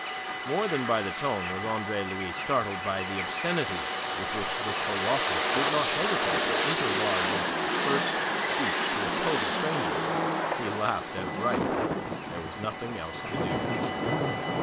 More than by the tone was Andre Louis startled by the obscenities with which the Colossus did not hesitate to interlard his first speech to a total stranger. He laughed outright. There was nothing else to do.